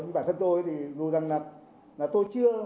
bản thân tôi thì dù rằng là tôi chưa